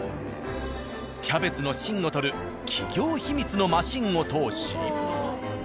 キャベツの芯を取る企業秘密のマシンを通し。